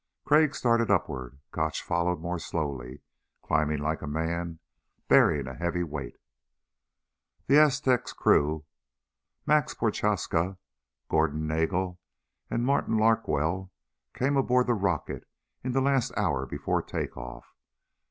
Crag started upward. Gotch followed more slowly, climbing like a man bearing a heavy weight. The Aztec's crew, Max Prochaska, Gordon Nagel and Martin Larkwell, came aboard the rocket in the last hour before take off.